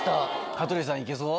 羽鳥さんいけそう？